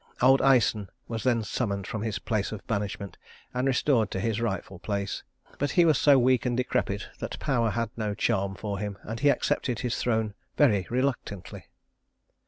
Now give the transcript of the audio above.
Old Æson was then summoned from his place of banishment, and restored to his rightful place; but he was so weak and decrepit that power had no charm for him, and he accepted his throne very reluctantly.